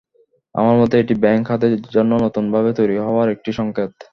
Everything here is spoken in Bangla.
আমার মতে, এটি ব্যাংক খাতের জন্য নতুনভাবে তৈরি হওয়ার একটি সংকেত।